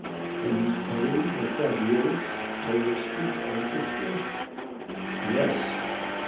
"Can you play the quadrilles?" I whispered anxiously. "Yes."